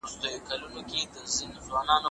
تر ټولو لومړۍ لاره د وضعیت روښانه درک دی.